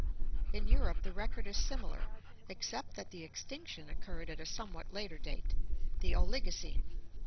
In Europe the record is similar except that the extinction occurred at a somewhat later date, the Oligocene.